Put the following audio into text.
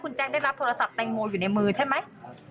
แจ๊กได้รับโทรศัพท์แตงโมอยู่ในมือใช่ไหม